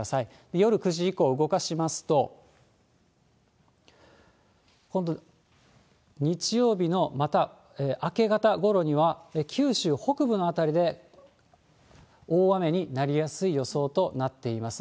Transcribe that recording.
夜９時以降、動かしますと、今度日曜日のまた明け方ごろには、九州北部の辺りで大雨になりやすい予想となっています。